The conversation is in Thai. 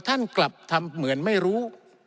ท่านกลับทำเหมือนไม่รู้